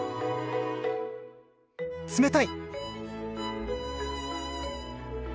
冷たい！